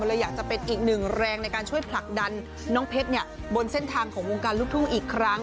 เลยอยากจะเป็นอีกหนึ่งแรงในการช่วยผลักดันน้องเพชรบนเส้นทางของวงการลูกทุ่งอีกครั้ง